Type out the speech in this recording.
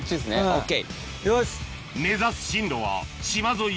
ＯＫ。